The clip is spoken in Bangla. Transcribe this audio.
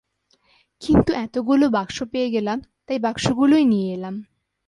কিন্তু এতোগুলো বাক্স পেয়ে গেলাম, তাই, বাক্সগুলোই নিয়ে এলাম।